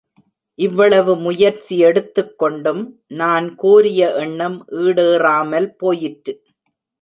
இவ்வளவு முயற்சியெடுத்துக் கொண்டும் நான் கோரிய எண்ணம் ஈடேறாமல் போயிற்று!